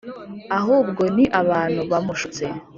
ahubwo ni abantu bamushutse.